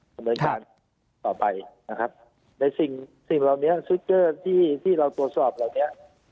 ดำเนินการต่อไปนะครับในสิ่งสิ่งเหล่านี้ซิกเกอร์ที่ที่เราตรวจสอบเหล่านี้